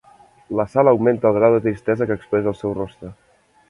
La Sal augmenta el grau de tristesa que expressa el seu rostre.